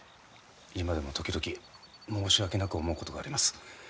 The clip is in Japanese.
今でも時々申し訳なく思うことがあります。